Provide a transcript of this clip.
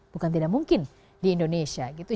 bukan tidak mungkin di indonesia gitu